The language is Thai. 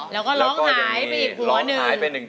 แล้วก็ร้องหายไปอีกหัวหนึ่ง